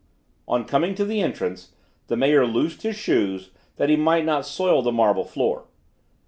On coming to the entrance, the mayor loosed his shoes, that he might not soil the marble floor.